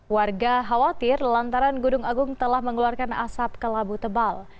warga khawatir lantaran gunung agung telah mengeluarkan asap ke labu tebal